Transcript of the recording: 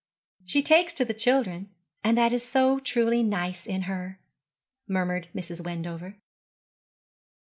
'She takes to the children, and that is so truly nice in her,' murmured Mrs. Wendover.